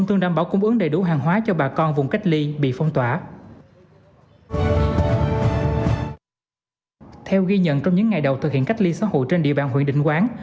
theo ghi nhận trong những ngày đầu thực hiện cách ly xã hội trên địa bàn huyện định quán